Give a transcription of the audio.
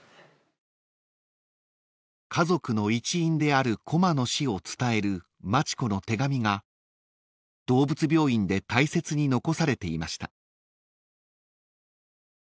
［家族の一員であるコマの死を伝える町子の手紙が動物病院で大切に残されていました］